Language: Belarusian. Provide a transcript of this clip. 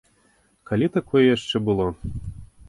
Калі такое яшчэ было?